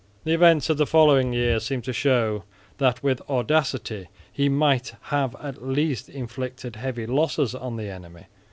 The events of the following year seem to show that with audacity he might have at least inflicted heavy losses on the enemy.